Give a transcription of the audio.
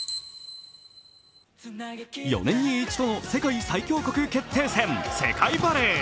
４年に一度の世界最強国決定戦、世界バレー。